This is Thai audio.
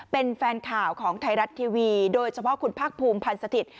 เป็นแฟนข่าวของไทยรัฐทีวีโดยเฉพาะคุณภาคภูมิพันธ์สถิต